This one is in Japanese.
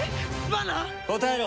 答えろ。